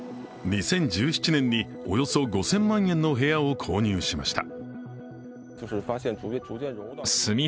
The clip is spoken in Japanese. ２０１７年におよそ５０００万円の部屋を購入しました。